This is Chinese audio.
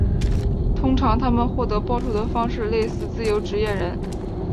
通常他们获得报酬的方式类似自由职业人。